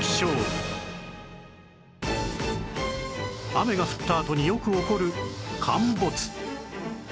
雨が降ったあとによく起こる陥没